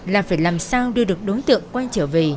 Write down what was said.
là phải làm sao đưa được đối tượng quay trở về